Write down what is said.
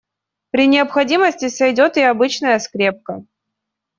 При необходимости сойдёт и обычная скрепка.